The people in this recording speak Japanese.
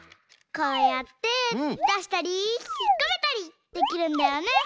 こうやってだしたりひっこめたりできるんだよね。